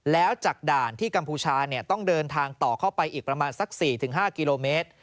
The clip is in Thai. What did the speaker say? แล้วจากด่านที่กัมพูชาต้องเดินทางต่อเข้าไปอีกประมาณสัก๔๕กิโลเมตร